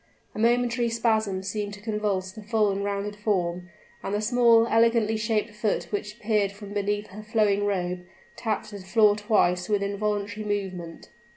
A momentary spasm seemed to convulse the full and rounded form; and the small, elegantly shaped foot which peered from beneath her flowing robe, tapped the floor twice with involuntary movement.